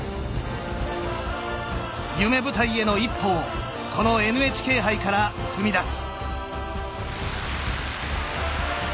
夢舞台への一歩をこのＮＨＫ杯から踏み出す。